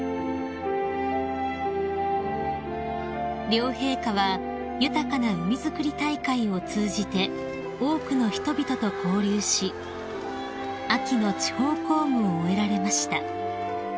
［両陛下は豊かな海づくり大会を通じて多くの人々と交流し秋の地方公務を終えられました］